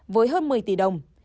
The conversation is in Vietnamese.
với hơn một mươi tỷ đồng